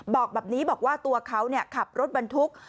บอกแบบนี้บอกว่าตัวเขาขับรถบรรทุก